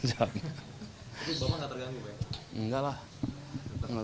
tapi bapak nggak terganggu